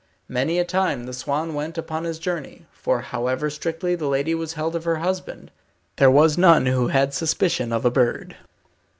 Many a time the swan went upon his journey, for however strictly the lady was held of her husband, there was none who had suspicion of a bird.